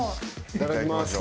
いただきます。